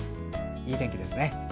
いい天気ですね。